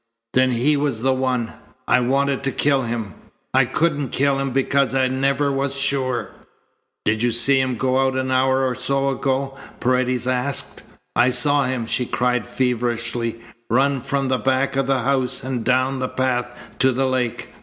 "Then he was the one! I wanted to kill him, I couldn't kill him because I never was sure." "Did you see him go out an hour or so ago?" Paredes asked. "I saw him," she cried feverishly, "run from the back of the house and down the path to the lake.